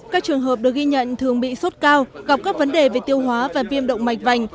các trường hợp được ghi nhận thường bị sốt cao gặp các vấn đề về tiêu hóa và viêm động mạch vành